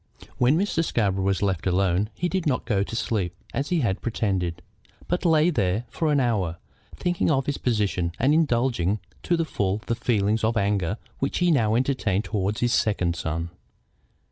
When Mr. Scarborough was left alone he did not go to sleep, as he had pretended, but lay there for an hour, thinking of his position and indulging to the full the feelings of anger which he now entertained toward his second son.